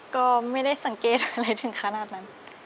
ก็ไม่ได้สังเกตอะไรถึงขนาดนั้น